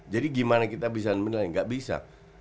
jadi gimana kita bisa menilai gak bisa